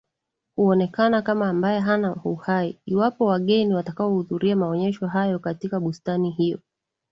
Huonekana kama ambaye hana Uhai iwapo wageni watakaohudhuria maonyesho hayo katika bustani hiyo